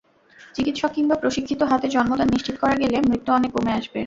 চিকিৎসক কিংবা প্রশিক্ষিত হাতে জন্মদান নিশ্চিত করা গেলে মৃত্যু অনেক কমে আসবে।